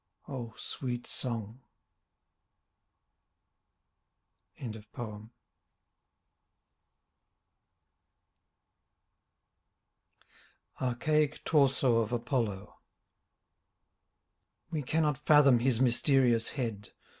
O! Sweet song — 48 ARCHAIC TORSO OF APOLLO We cannot fathom his mysterious head.